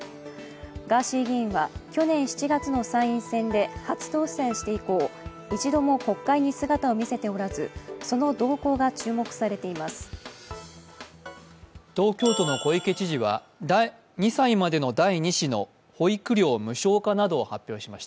ガーシー議員は去年７月の参院選で初当選して以降、一度も国会に姿を見せておらずその動向が注目されています。